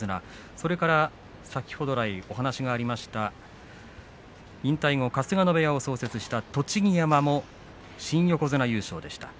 それから先ほどのお話がありました引退後、春日野部屋を創設した栃木山も新横綱優勝でした。